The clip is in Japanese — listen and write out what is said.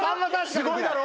すごいだろ？